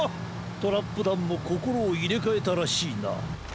トラップだんもこころをいれかえたらしいな。